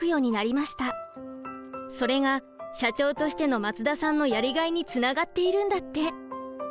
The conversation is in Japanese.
それが社長としての松田さんのやりがいにつながっているんだって。